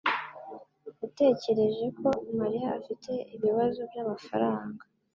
yatekereje ko Mariya afite ibibazo byamafaranga